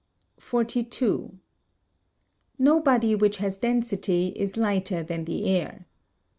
42. No body which has density is lighter than the air.